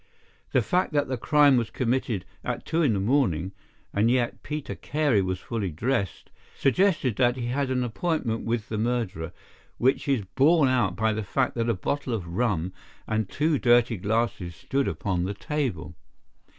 The fact that the crime was committed at two in the morning, and yet Peter Carey was fully dressed, suggested that he had an appointment with the murderer, which is borne out by the fact that a bottle of rum and two dirty glasses stood upon the table."